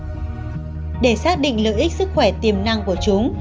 acid béo omega ba và vitamin c để xác định lợi ích sức khỏe tiềm năng của chúng